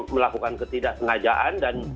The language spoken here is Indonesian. melakukan ketidaksengajaan dan